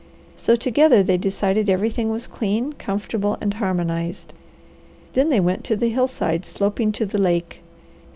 So together they decided everything was clean, comfortable, and harmonized. Then they went to the hillside sloping to the lake.